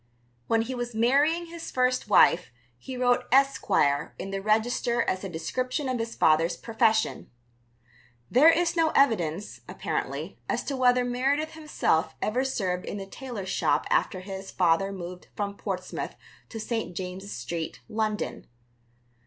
When he was marrying his first wife he wrote "Esquire" in the register as a description of his father's profession. There is no evidence, apparently, as to whether Meredith himself ever served in the tailor's shop after his father moved from Portsmouth to St. James's Street, London.